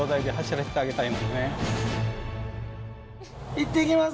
行ってきます。